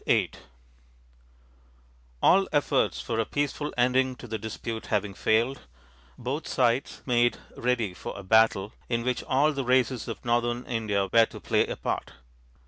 VIII All efforts for a peaceful ending to the dispute having failed, both sides made ready for a battle, in which all the races of Northern India were to play a part.